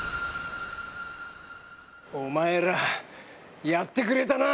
お前らやってくれたな！